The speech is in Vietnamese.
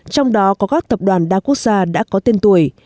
trong đó có các tập đoàn đa quốc gia đã có tên tuổi